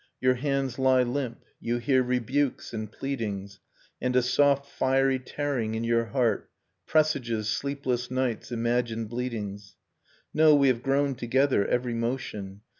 ... Your hands lie limp, you hear rebukes and pleadings, And a soft fiery tearing in your heart Presages sleepless nights, imagined bleedings ... No, we have grown together: every motion.